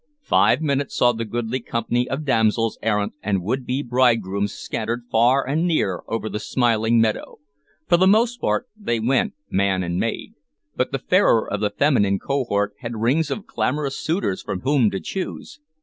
Five minutes saw the goodly company of damsels errant and would be bridegrooms scattered far and near over the smiling meadow. For the most part they went man and maid, but the fairer of the feminine cohort had rings of clamorous suitors from whom to choose.